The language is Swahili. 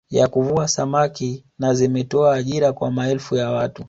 Ya kuvua saamki na zimetoa ajira kwa maelfu ya watu